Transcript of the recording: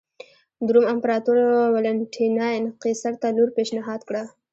د روم امپراتور والنټیناین قیصر ته لور پېشنهاد کړه.